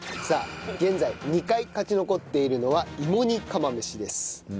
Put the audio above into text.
さあ現在２回勝ち残っているのは芋煮釜飯です。